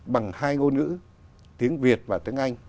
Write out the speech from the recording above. bằng hai ngôn ngữ tiếng việt và tiếng anh